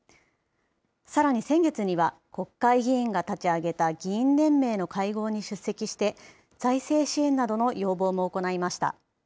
さらに先月には、国会議員が立ち上げた議員連盟の会合に出席して、財政支援などの要望も行いました。